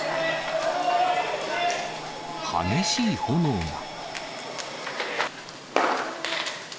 激しい炎が。